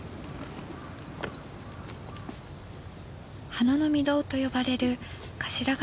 花の御堂と呼ばれる頭ヶ